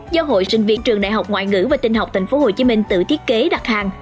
do hội sinh viên trường đại học ngoại ngữ và tinh học tp hcm tự thiết kế đặt hàng